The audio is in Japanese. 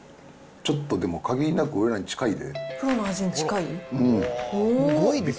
ちょっとでも限りなく俺らに近いで。